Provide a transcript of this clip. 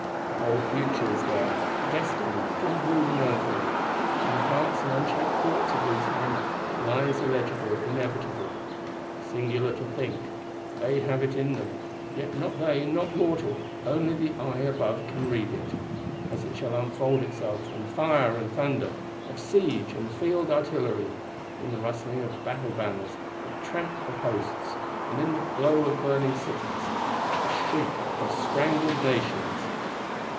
The whole Future is there, and Destiny dim brooding over it; in the hearts and unshaped thoughts of these men, it lies illegible, inevitable. Singular to think: they have it in them; yet not they, not mortal, only the Eye above can read it,—as it shall unfold itself, in fire and thunder, of siege, and field artillery; in the rustling of battle banners, the tramp of hosts, in the glow of burning cities, the shriek of strangled nations!